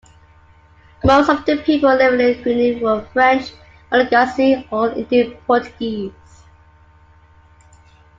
Most of the people living in Reunion were French, Malagasy, or Indo-Portuguese.